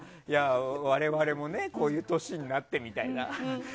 我々もね、こういう年になってみたいな。